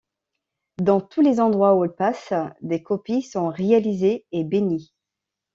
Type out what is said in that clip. Dans tous les endroits où elle passe des copies sont réalisées et bénies.